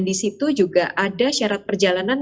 di situ juga ada syarat perjalanan